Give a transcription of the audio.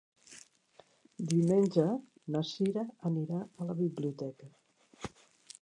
Diumenge na Sira anirà a la biblioteca.